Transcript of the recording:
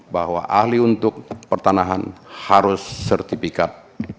bahwa ahli untuk pertanahan harus sertifikat